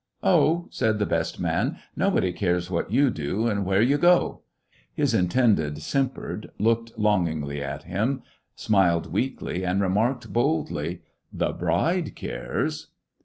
"Oh," said the best man, "nobody cares what you do and where you go!" His intended simpered, looked longingly at him, smiled weakly, and remarked boldly, "The bride cares."